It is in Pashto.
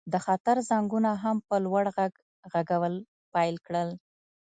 د خطر زنګونو هم په لوړ غږ غږول پیل کړل